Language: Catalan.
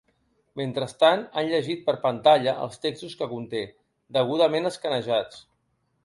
Mentrestant, han llegit per pantalla els textos que conté, degudament escanejats.